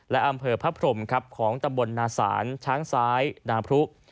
และอำเภอพระพรมครับของตำบลนาศาลช้างซ้ายนาพรุ